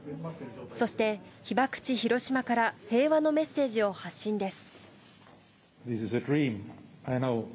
そして被爆地、広島から平和のメッセージを発信です。